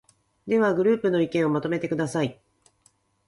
では、グループの意見をまとめてください。